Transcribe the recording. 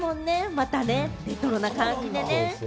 またね、レトロな感じでね。